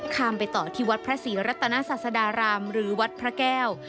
มไปต่อที่วัดพระศรีรัตนศาสดารามหรือวัดพระแก้ว